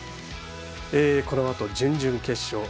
このあと準々決勝。